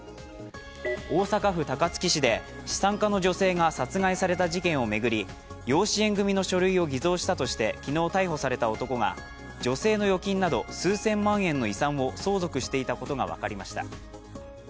大阪府高槻市で資産家の女性が殺害された事件を巡り養子縁組の書類を偽造したとして昨日逮捕された男が女性の預金など数千万円の遺産を相続していたことが分かりました。